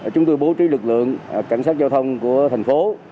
chúng tôi bố trí lực lượng cảnh sát giao thông của thành phố